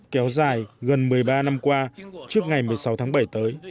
kéo dài gần một mươi ba năm qua trước ngày một mươi sáu tháng bảy tới